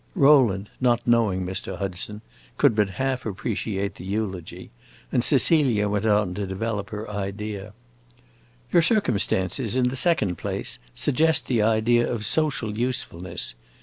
Rowland, not knowing Mr. Hudson, could but half appreciate the eulogy, and Cecilia went on to develop her idea. "Your circumstances, in the second place, suggest the idea of social usefulness.